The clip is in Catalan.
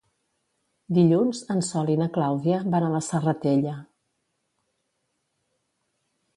Dilluns en Sol i na Clàudia van a la Serratella.